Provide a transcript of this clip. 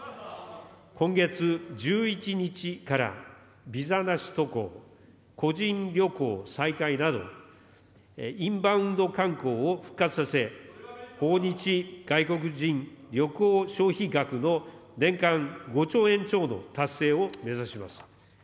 今月１１日から、ビザなし渡航、個人旅行再開など、インバウンド観光を復活させ、訪日外国人旅行消費額の年間５兆円超の達成を目指します。